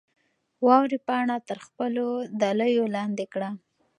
واورې پاڼه تر خپلو دلیو لاندې کړه.